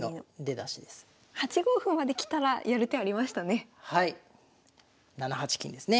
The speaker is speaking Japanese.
８五歩まできたらやる手ありましたね。